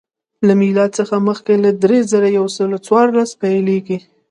له میلاد څخه مخکې له درې زره یو سل څوارلس پیلېږي